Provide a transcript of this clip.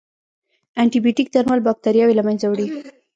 انټيبیوټیک درمل باکتریاوې له منځه وړي.